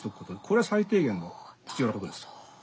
これは最低限の必要なことです。